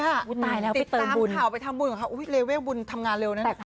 ติดตามข่าวไปทำบุญของเขาอุ๊ยเลเว่บุญทำงานเร็วนะ